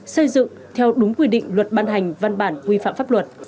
xây dựng theo đúng quy định luật ban hành văn bản quy phạm pháp luật